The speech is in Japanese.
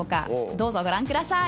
どうぞご覧ください。